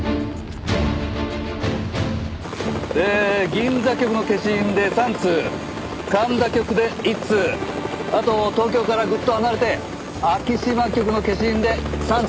銀座局の消印で３通神田局で１通あと東京からぐっと離れて昭島局の消印で３通です。